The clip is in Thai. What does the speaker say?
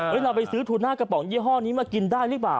เราไปซื้อทูน่ากระป๋องยี่ห้อนี้มากินได้หรือเปล่า